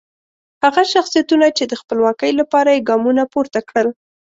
هغه شخصیتونه چې د خپلواکۍ لپاره یې ګامونه پورته کړل.